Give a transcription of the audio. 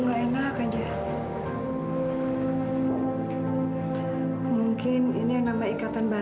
nggak tahu apa masalahnya